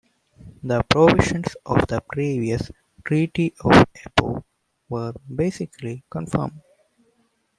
The provisions of the previous Treaty of Abo were basically confirmed.